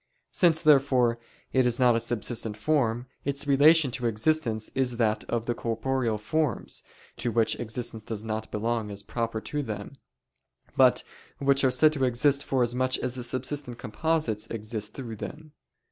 Since, therefore, it is not a subsistent form, its relation to existence is that of the corporeal forms, to which existence does not belong as proper to them, but which are said to exist forasmuch as the subsistent composites exist through them.